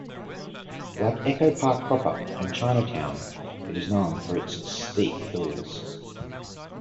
Like Echo Park proper and Chinatown, it is known for its steep hills.